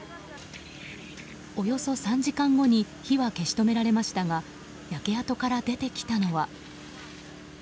およそ３時間後に火は消し止められましたが焼け跡から出てきたのは。